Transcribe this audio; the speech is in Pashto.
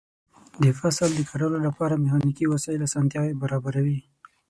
د فصل د کرلو لپاره میخانیکي وسایل اسانتیاوې برابروي.